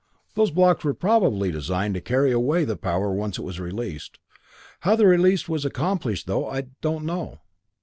Those blocks were probably designed to carry away the power once it was released. How the release was accomplished, though, I don't know.